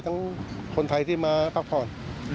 คนไทยที่มาพักผ่อน